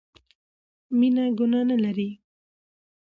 مينه ګناه نه لري